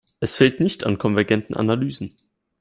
Es fehlt nicht an konvergenten Analysen.